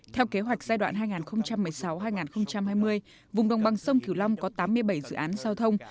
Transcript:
theo kế hoạch giai đoạn hai nghìn một mươi sáu hai nghìn hai mươi vùng đồng bằng sông cửu long có tám mươi bảy dự án giao thông